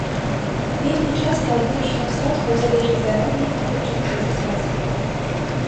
Вельмі часта ад выручаных сродках залежыць здароўе і нават жыццё дзіцяці.